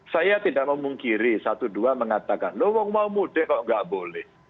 saya tidak mau mungkiri satu dua mengatakan lo mau mudik kok gak boleh